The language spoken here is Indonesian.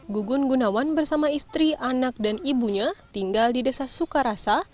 gugun gunawan bersama istri anak dan ibunya tinggal di desa sukarasa